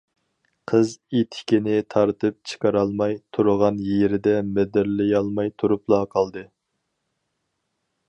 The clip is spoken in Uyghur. قىز ئېتىكىنى تارتىپ چىقىرالماي، تۇرغان يېرىدە مىدىرلىيالماي تۇرۇپلا قالدى.